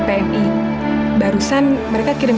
paling tidak rupanya pesek kepencang